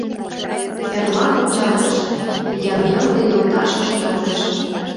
Эрмак ончалеш — Янгелде йолташыже толеш.